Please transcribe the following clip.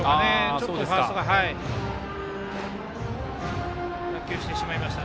ちょっとファーストが逸してしまいました。